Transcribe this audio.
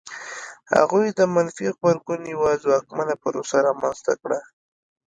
هغوی د منفي غبرګون یوه ځواکمنه پروسه رامنځته کړه.